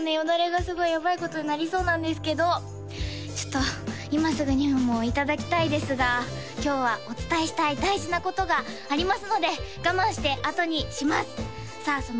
だれがすごいやばいことになりそうなんですけどちょっと今すぐにもういただきたいですが今日はお伝えしたい大事なことがありますので我慢してあとにしますさあ